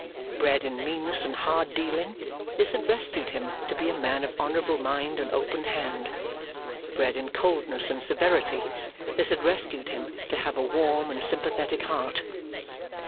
Bred in meanness and hard dealing, this had rescued him to be a man of honourable mind and open hand. Bred in coldness and severity, this had rescued him to have a warm and sympathetic heart.